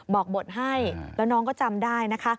บอกบทให้แล้วน้องก็จำได้นะคะ